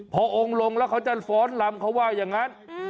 พอองค์ลงแล้วเขาจะฟ้อนลำเขาว่าอย่างนั้น